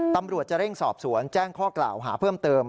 ตำรวจจะเร่งสอบสวนแจ้งข้อกล่าวหาเพิ่มเติม